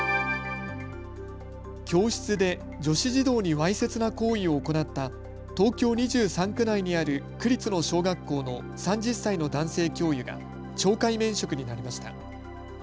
教室で女子児童にわいせつな行為を行った東京２３区内にある区立の小学校の３０歳の男性教諭が懲戒免職になりました。